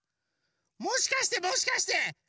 もしかしてもしかして。